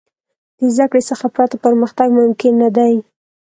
د زدهکړې څخه پرته، پرمختګ ممکن نه دی.